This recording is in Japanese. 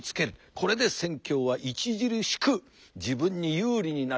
これで戦況は著しく自分に有利になる。